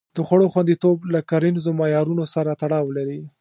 د خوړو خوندیتوب له کرنیزو معیارونو سره تړاو لري.